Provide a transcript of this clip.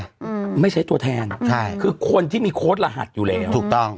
อืมไม่ใช้ตัวแทนใช่คือคนที่มีโค้ดรหัสอยู่แล้วถูกต้อง